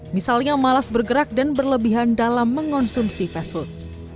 misalnya malas bergerak dan berlebihan dalam mengonsumsi fast food